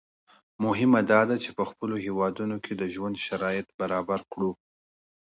مهمه دا ده چې په خپلو هېوادونو کې د ژوند شرایط برابر کړو.